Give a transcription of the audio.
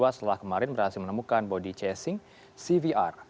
setelah kemarin berhasil menemukan body chasing cvr